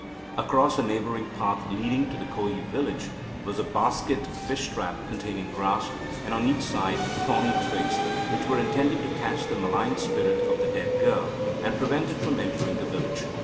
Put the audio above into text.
Across a neighbouring path leading to the Koyi village was a basket fish trap containing grass, and on each side thorny twigs, which were intended to catch the malign spirit of the dead girl, and prevent it from entering the village.